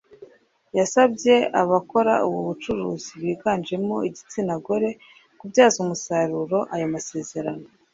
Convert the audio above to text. yasabye abakora ubu bucuruzi biganjemo igitsina gore kubyaza umusaruro aya masezerano